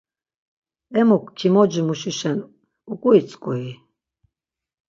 Emuk kimoci muşişen uǩuitzǩui?